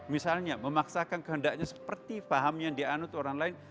misalnya memaksakan kehendaknya seperti paham yang dianut orang lain